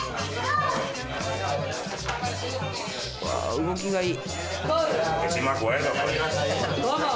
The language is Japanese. うわ動きがいい。